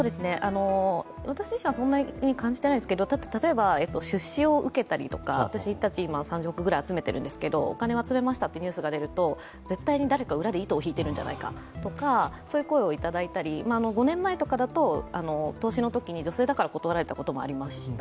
私自身はあまり感じてないんですが、例えば出資を集めたり、私たち３０億ぐらい集めているんですけど、お金を集めましたというニュースが出ると絶対に誰か裏で糸を引いているんじゃないかという声をいただいたり５年前とかだと、投資のときに女性だからと断られたことがありました。